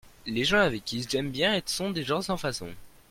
Les gens avec qui j'aime bien être sont des gens sans façons.